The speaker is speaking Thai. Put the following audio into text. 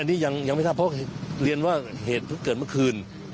อันนี้ยังไม่ทับเพราะเรียนว่าเหตุเกิดเมื่อคืนนะครับ